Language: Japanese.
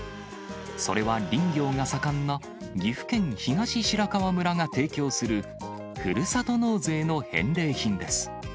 それは林業が盛んな岐阜県東白川村が提供する、ふるさと納税の返礼品です。